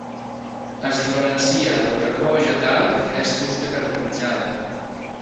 Es diferencia del carbó vegetal, que és fusta carbonitzada.